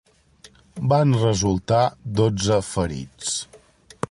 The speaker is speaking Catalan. Van resultar dotze ferits.